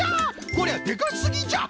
こりゃでかすぎじゃ！